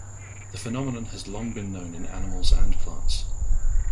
The phenomenon has long been known in animals and plants.